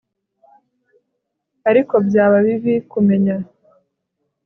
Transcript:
Ariko byaba bibi kumenya